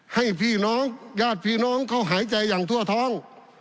ให้พี่น้องญาติพี่น้องเขาหายใจอย่างทั่วท้อง